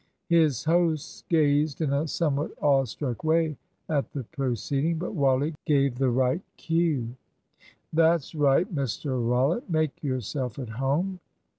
His hosts gazed in a somewhat awe struck way at the proceeding, but Wally gave the right cue. "That's right, Mr Rollitt; make yourself at home."